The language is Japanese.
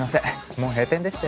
もう閉店でして。